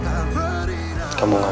aku akan mencari kamu